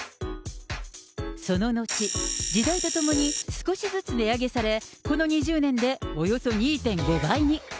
その後、時代とともに少しずつ値上げされ、この２０年でおよそ２．５倍に。